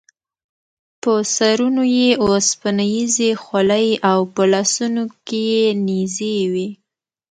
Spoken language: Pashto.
په سرونو یې اوسپنیزې خولۍ او په لاسونو کې یې نیزې وې.